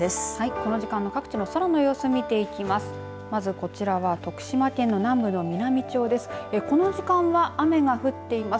この時間の各地の空の様子を見ていきます。